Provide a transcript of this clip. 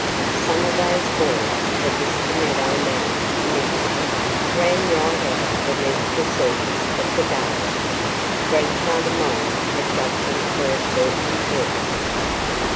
Some of those halls that Mr. Meadow Mouse mentioned ran right out beneath the surface of the garden. Grandfather Mole had dug them for a certain purpose.